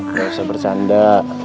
gak usah bercanda